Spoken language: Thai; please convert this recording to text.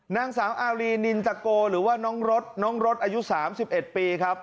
นางสามอารีนินจาโกหรือว่าน้องรถน้องรถอายุสามสิบเอ็ดปีครับ